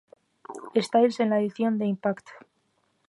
Styles en la edición de "Impact!